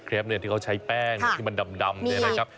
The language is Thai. ที่เขาใช้แป้งที่มันดำเนี่ยนะครับ